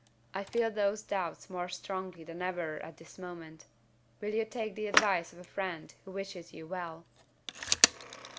I feel those doubts more strongly than ever at this moment. Will you take the advice of a friend who wishes you well?"